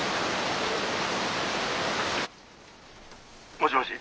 ☎もしもし。